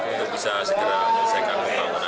untuk bisa segera menyelesaikan pembangunan